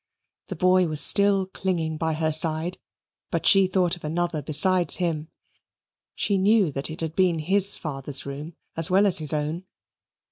The boy was still clinging by her side, but she thought of another besides him. She knew that it had been his father's room as well as his own.